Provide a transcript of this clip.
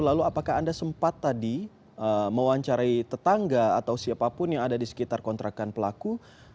lalu apakah anda sempat tadi mewawancarai tetangga atau siapapun yang ada di sekitar kontrakan pelaku